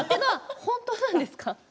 本当なんですか？